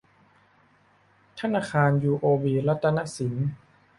ธนาคารยูโอบีรัตนสิน